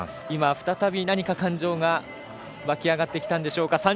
今、再び何か感情が沸き上がってきたんでしょうか。